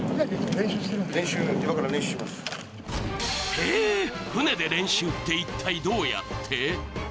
えっ、船で練習って一体どうやって？